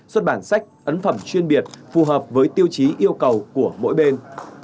xuất bản sách ấn phẩm chuyên biệt phù hợp với tiêu chí yêu cầu của mỗi bên